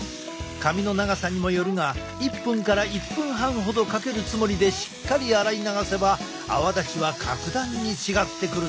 髪の長さにもよるが１分から１分半ほどかけるつもりでしっかり洗い流せば泡立ちは格段に違ってくるぞ。